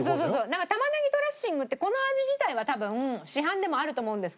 なんかタマネギドレッシングってこの味自体は多分市販でもあると思うんですけど